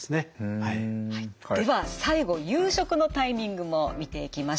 では最後夕食のタイミングも見ていきましょう。